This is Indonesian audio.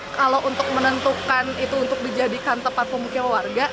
kalau untuk menentukan itu untuk dijadikan tempat pemukiman warga